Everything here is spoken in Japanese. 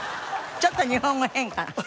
ちょっと日本語変か。